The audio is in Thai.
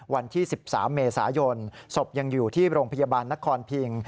วันที่๑๓เมษายนศพยังอยู่ที่โรงพยาบาลนครพิง